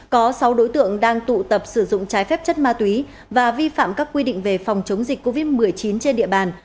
có sáu đối tượng đang tụ tập sử dụng trái phép chất ma túy và vi phạm các quy định về phòng chống dịch covid một mươi chín trên địa bàn